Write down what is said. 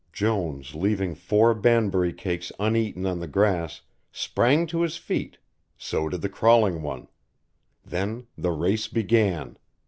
Jones leaving four Banbury cakes uneaten on the grass, sprang to his feet, so did the crawling one. Then the race began.